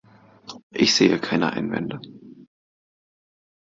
Ich sehe keine Einwände.